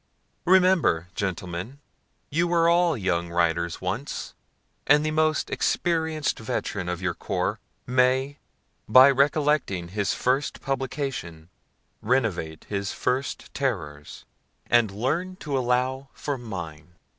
Remember, Gentlemen, you were all young writers once, and the most experienced veteran of your corps may, by recollecting his first publication, renovate his first terrors, and learn to allow for mine.